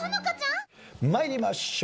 参りましょう。